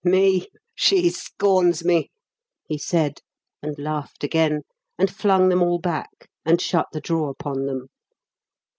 "Me! She scorns me!" he said, and laughed again, and flung them all back and shut the drawer upon them.